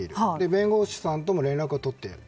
弁護士さんとも連絡を取っている。